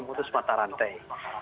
mutus mata rantai